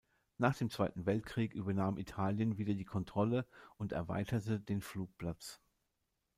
Nach dem Zweiten Weltkrieg übernahm Italien wieder die Kontrolle und erweiterte den Flugplatz.